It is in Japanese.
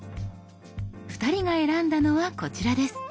２人が選んだのはこちらです。